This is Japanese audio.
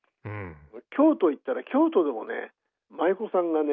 京都行ったら京都でもね舞子さんがね